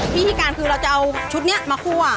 วิธีการคือเราจะเอาชุดนี้มาคั่ว